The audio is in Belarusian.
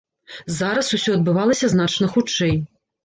Зараз усё адбывалася значна хутчэй.